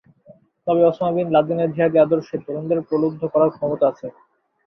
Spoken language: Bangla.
তবে ওসামা বিন লাদেনের জিহাদি আদর্শে তরুণদের প্রলুব্ধ করার ক্ষমতা আছে।